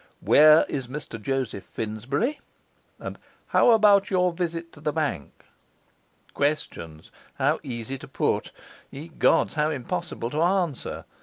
Where is Mr Joseph Finsbury? and how about your visit to the bank? Questions, how easy to put! ye gods, how impossible to answer!